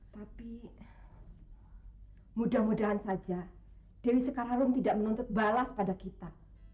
tapi mudah mudahan saja dewi sekar harum tidak menuntut balas pada kita